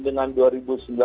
sebenarnya gini ya